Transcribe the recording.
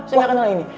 saya gak kenal ini